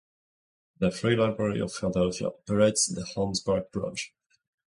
The Free Library of Philadelphia operates the Holmesburg Branch.